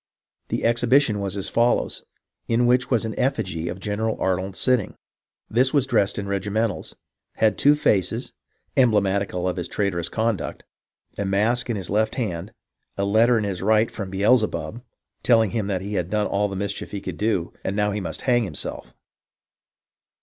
The ex hibition was as follows : A stage on the body of a cart, in which was an effigy of General Arnold sitting ; this was dressed in regimentals, had two faces, emblematical of his traitorous conduct, a mask in his left hand, a letter in his right from Beelzebub, telling him that he had done all the mischief he could do, and now he must hang himself.